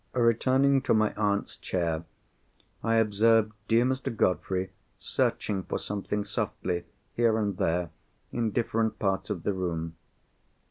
Returning to my aunt's chair, I observed dear Mr. Godfrey searching for something softly, here and there, in different parts of the room.